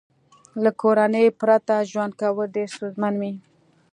له کورنۍ پرته ژوند کول ډېر ستونزمن وي